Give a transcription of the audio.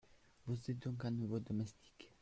Vous êtes donc un nouveau domestique ?